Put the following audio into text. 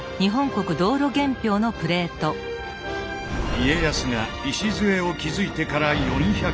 家康が礎を築いてから４００年。